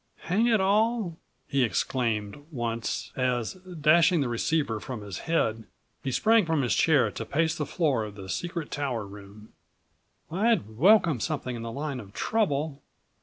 "Hang it all," he exclaimed once as, dashing the receiver from his head, he sprang from his chair to pace the floor of the secret tower room, "I'd welcome something in the line of trouble.